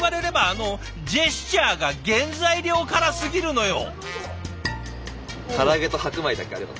ジェスチャーが原材料からすぎるのよ！